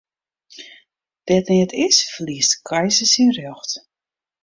Dêr't neat is, ferliest de keizer syn rjocht.